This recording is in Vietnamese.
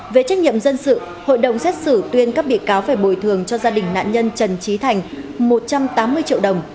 về trách nhiệm dân sự hội đồng xét xử tuyên các bị cáo phải bồi thường cho gia đình nạn nhân trần trí thành một trăm tám mươi triệu đồng